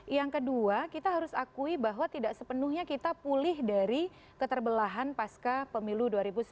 yang kedua kita harus akui bahwa tidak sepenuhnya kita pulih dari keterbelahan pasca pemilu dua ribu sembilan belas